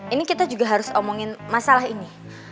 ini kita juga harus omongin masalah ini